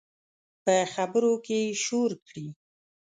په خبرو کې یې شور کړي